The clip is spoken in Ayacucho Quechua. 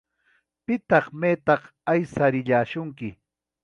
Pitaq maytaq aysarillasunki.